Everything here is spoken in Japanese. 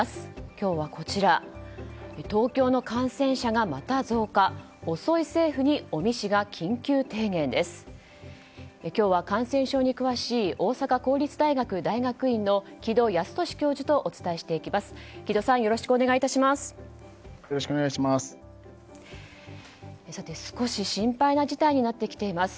今日は、感染症に詳しい大阪公立大学大学院の城戸康年教授とお伝えしていきます。